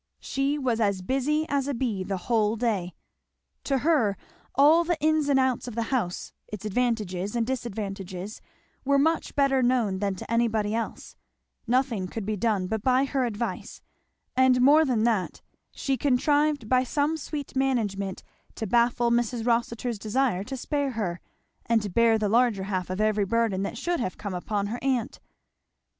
She was as busy as a bee the whole day. To her all the ins and outs of the house, its advantages and disadvantages, were much better known than to anybody else; nothing could be done but by her advice; and more than that, she contrived by some sweet management to baffle Mrs. Rossitur's desire to spare her, and to bear the larger half of every burden that should have come upon her aunt.